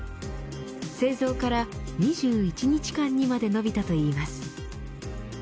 製造から２１日間にまでのびたといいます。